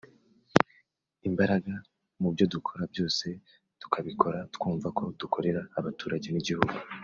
imbaraga mu byo dukora byose tukabikora twumva ko dukorera abaturage n’igihugu